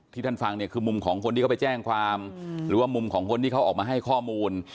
ท่านฟังเนี่ยคือมุมของคนที่เขาไปแจ้งความหรือว่ามุมของคนที่เขาออกมาให้ข้อมูล